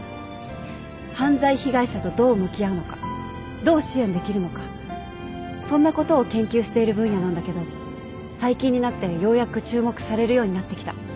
犯罪被害者とどう向き合うのかどう支援できるのかそんなことを研究している分野なんだけど最近になってようやく注目されるようになってきた。